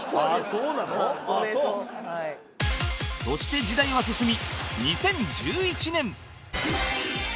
そして時代は進み２０１１年